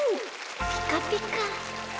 ピカピカ！